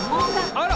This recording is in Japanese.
あら！